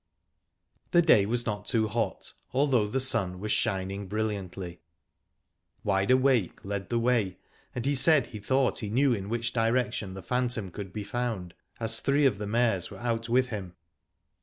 The day was not too hot, although the sun was shining brilliantly. Wide Awake led the way, and he said he thought he knew in which direction the phantom could be found, as three of the mares were out with him.